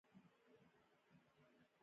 چې د ادې د علاج لپاره يې راکړى و.